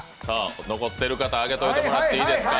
残っている方、上げておいてもらっていいですか。